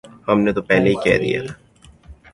ہم نے تو پہلے ہی کہہ دیا تھا۔